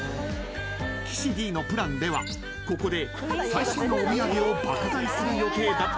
［岸Ｄのプランではここで最新のお土産を爆買いする予定だったんですが］